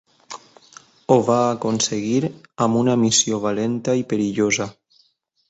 Ho va aconseguir amb una missió valenta i perillosa.